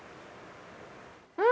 うん！